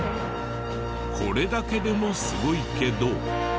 これだけでもすごいけど。